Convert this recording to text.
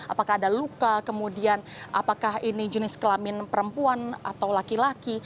apakah ada luka kemudian apakah ini jenis kelamin perempuan atau laki laki